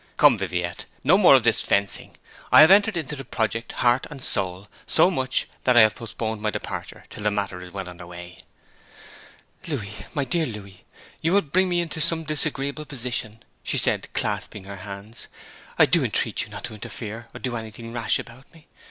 Come, Viviette, no more of this fencing. I have entered into the project heart and soul so much that I have postponed my departure till the matter is well under way.' 'Louis my dear Louis you will bring me into some disagreeable position!' said she, clasping her hands. 'I do entreat you not to interfere or do anything rash about me.